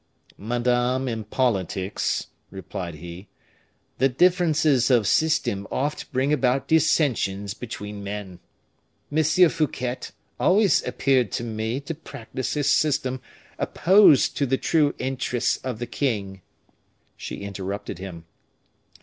"Madame, in politics," replied he, "the differences of system oft bring about dissentions between men. M. Fouquet always appeared to me to practice a system opposed to the true interests of the king." She interrupted him.